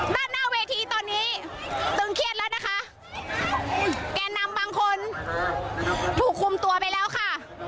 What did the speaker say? ด้านหน้าเวทีตอนนี้ตึงเครียดแล้วนะคะแก่นำบางคนถูกคุมตัวไปแล้วค่ะ